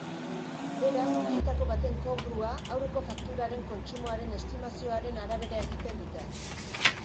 Beraz, bietako baten kobrua aurreko fakturaren kontsumoaren estimazioaren arabera egiten dute.